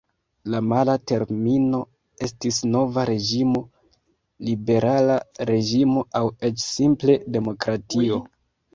La mala termino estis Nova Reĝimo, Liberala Reĝimo aŭ eĉ simple Demokratio.